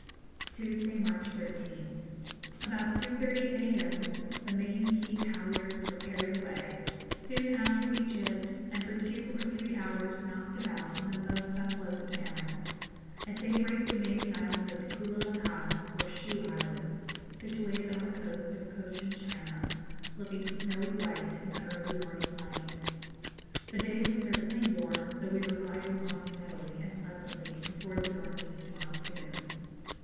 Tuesday, March 13th. About 2.30 a.m. the main peak halyards were carried away. Soon after we gybed, and for two or three hours knocked about in the most unpleasant manner. At daybreak we made the island of Pulu Lapata, or Shoe Island, situated on the coast of Cochin China, looking snowy white in the early morning light. The day was certainly warm, though we were gliding on steadily and pleasantly before the north east monsoon.